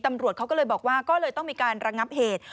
ตำรวจเขาก็เลยบอกว่าก็เลยต้องมีการระงับเหตุ